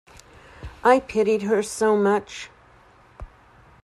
I pitied her so much.